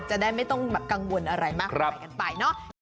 จะได้ไม่ต้องกังวลอะไรมากมายกันไปเนอะ